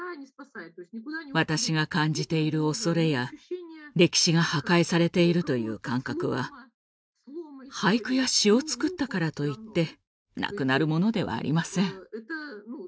私が感じている恐れや歴史が破壊されているという感覚は俳句や詩を作ったからといってなくなるものではありません。